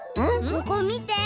ここみて。